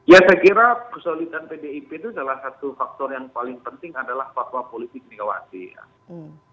ya saya kira kesolidan pdip itu salah satu faktor yang paling penting adalah faksor politik di kawasan